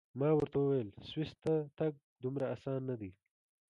ما ورته وویل: سویس ته تګ دومره اسان نه دی.